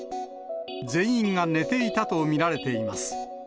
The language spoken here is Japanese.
全員が寝ていたと見られています。